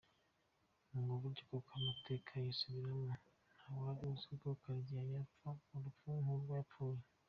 Ngo burya koko amateka yisubiramo, ntawari uziko Karegeya yapfa urupfu nkurwo yapfuye.